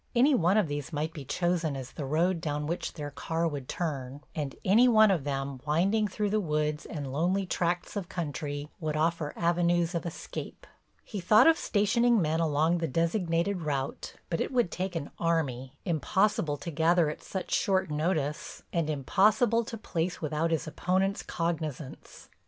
Any one of these might be chosen as the road down which their car would turn, and any one of them, winding through woods and lonely tracts of country, would offer avenues of escape. He thought of stationing men along the designated route but it would take an army, impossible to gather at such short notice and impossible to place without his opponent's cognizance.